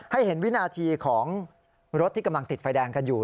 ให้เห็นวินาทีของรถที่กำลังติดไฟแดงกันอยู่